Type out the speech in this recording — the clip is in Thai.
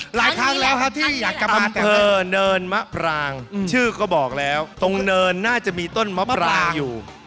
หลายครั้งแล้วครับที่เนินมะปรางชื่อก็บอกแล้วตรงเนินน่าจะมีต้นมะปรางอยู่